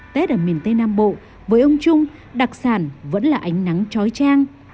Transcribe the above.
tết ở miền tây nam bộ với ông trung đặc sản vẫn là ánh nắng trói trang